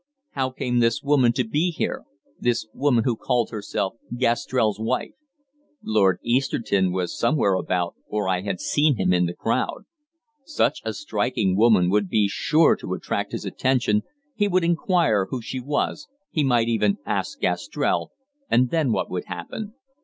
How came this woman to be here, this woman who called herself Gastrell's wife? Lord Easterton was somewhere about, for I had seen him in the crowd. Such a striking woman would be sure to attract his attention, he would inquire who she was, he might even ask Gastrell, and then what would happen?